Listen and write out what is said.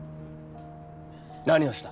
何をした。